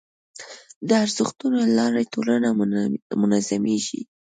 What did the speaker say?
د ارزښتونو له لارې ټولنه منظمېږي.